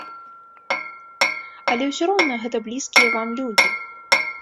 Але ўсё роўна гэта блізкія вам людзі.